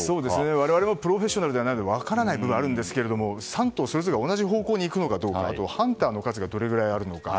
我々もプロフェッショナルではないので分からないんですが３頭それぞれが同じ方向に行くのかハンターの数がどれくらいいるのか。